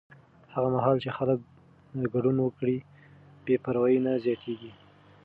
هغه مهال چې خلک ګډون وکړي، بې پروایي نه زیاتېږي.